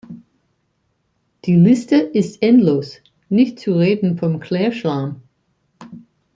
Die Liste ist endlos, nicht zu reden vom Klärschlamm.